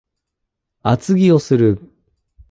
厚着をする